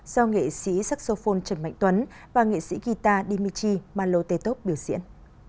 do nghệ sĩ saxophone trần mạnh tuấn và nghệ sĩ guitar dimitri malotetov biểu diễn